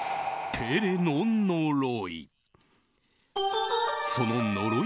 ペレの呪い。